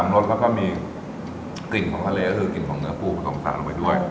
รสแล้วก็มีกลิ่นของทะเลก็คือกลิ่นของเนื้อปูผสมสารลงไปด้วย